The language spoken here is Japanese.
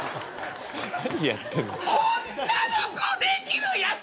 女の子できるやつ！